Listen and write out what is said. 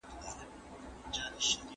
دا مرغان په ډلو کي البوځي.